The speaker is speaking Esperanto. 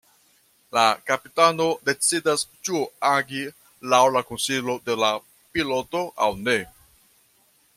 La kapitano decidas ĉu agi laŭ la konsilo de la piloto aŭ ne.